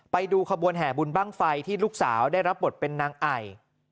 ไปดูขบวนแห่บุญบ้างไฟที่ลูกสาวได้รับบทเป็นนางไอ